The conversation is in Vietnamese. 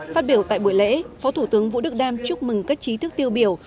phát biểu tại buổi lễ phó thủ tướng vũ đức đam chúc mừng các trí thức tiêu biểu